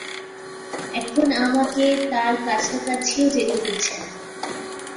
এখন আমাকে তার কাছাকাছিও যেতে দিচ্ছে না।